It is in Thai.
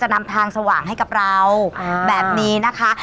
นำทางสว่างให้กับเราแบบนี้นะคะ